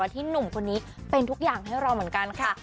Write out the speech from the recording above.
ที่หนุ่มคนนี้เป็นทุกอย่างให้เราเหมือนกันค่ะ